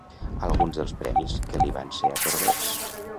Alguns dels premis que li van ser atorgats.